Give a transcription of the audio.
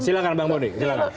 silahkan bang bodi